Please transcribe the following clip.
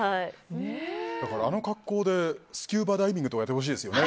あの格好でスキューバダイビングとかやってほしいですよね。